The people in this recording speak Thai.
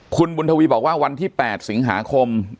คุณบุญทวีบอกว่าวันที่๘สิงหาคม